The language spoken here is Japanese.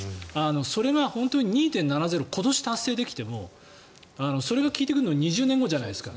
それが本当に２．７０今年達成できてもそれが効いてくるの２０年後じゃないですか。